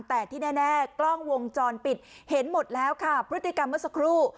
แต่ที่แน่กล้องวงจรปิดเห็นหมดแล้วค่ะพฤติกรรมเมื่อสักครู่